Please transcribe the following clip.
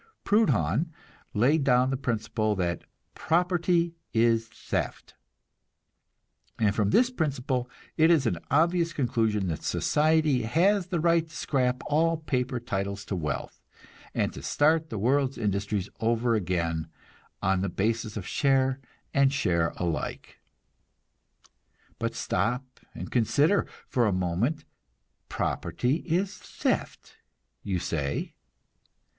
Proudhon laid down the principle that "property is theft," and from this principle it is an obvious conclusion that society has the right to scrap all paper titles to wealth, and to start the world's industries over again on the basis of share and share alike. But stop and consider for a moment. "Property is theft," you say.